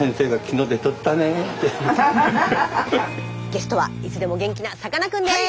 ゲストはいつでも元気なさかなクンです。